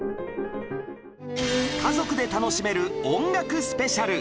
家族で楽しめる音楽スペシャル！